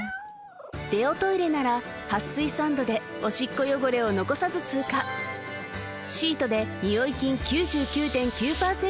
デオトイレなら撥水サンドでオシッコ汚れを残さず通過シートでニオイ菌９９．９％